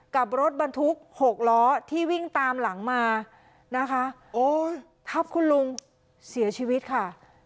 กับรถบรรทุกหกล้อที่วิ่งตามหลังมานะคะโอ้ยทับคุณลุงเสียชีวิตค่ะ